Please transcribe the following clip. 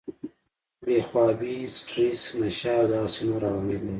بې خوابي ، سټريس ، نشه او دغسې نور عوامل لري